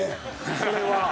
それは。